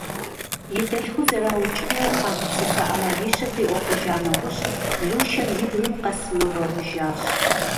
И дэлъхур зэраукӏыну къагупсыса ӏэмалищыр къиӏуэтэжа нэужь, Лушэр и бгым къэс мывэу жащ.